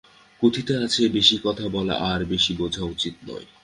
কথিতে আছে, বেশি কথা বলা আর বেশি বোঝা উচিত নয়।